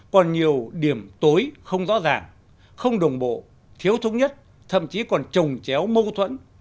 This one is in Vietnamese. còn nhiều điểm tối không rõ ràng không đồng bộ thiếu thống nhất thậm chí còn trồng chéo mâu thuẫn